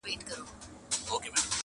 • هر عمل یې د شیطان وي په خلوت کي -